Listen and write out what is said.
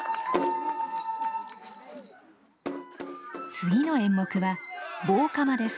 次の演目は「棒鎌」です。